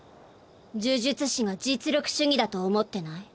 呪術師が実力主義だと思ってない？